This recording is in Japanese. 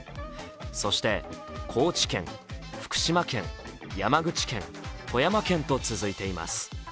そして高知県、福島県、山口県、富山県と続いています。